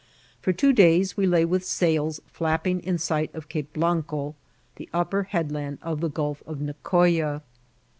'' For two days we lay with sails flaj^ing in sij^t of Cape Blanco, Ae iqpper headland o£ the Oulf of Nicoya.